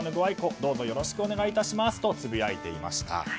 どうぞよろしくお願い致しますとつぶやいていました。